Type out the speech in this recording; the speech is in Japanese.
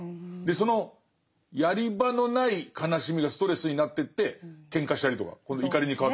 そのやり場のない悲しみがストレスになってってケンカしたりとか。